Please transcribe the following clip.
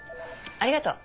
ありがとう。